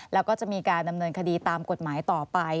แล้วก็จะมีการดำเนินคดีตามกฎหมายต่อไป